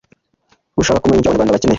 gushaka kumenya icyo Abanyarwanda bakeneye